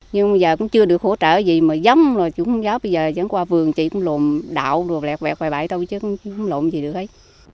nhưng bây giờ cũng chưa được hỗ trợ gì mà dám bây giờ dẫn qua vườn chị cũng lộn đạo lẹt vẹt hoài bãi thôi chứ không lộn gì được ấy